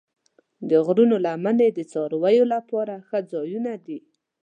د غرونو لمنې د څارویو لپاره ښه ځایونه دي.